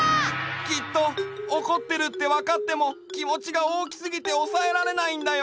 きっとおこってるってわかってもきもちがおおきすぎておさえられないんだよ！